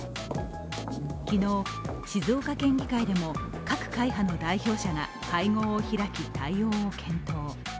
昨日、静岡県議会でも各会派の代表者が会合を開き、対応を検討。